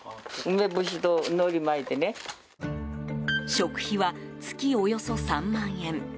食費は、月およそ３万円。